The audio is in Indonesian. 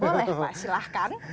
boleh pak silahkan